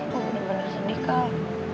gue bener bener sendiri kak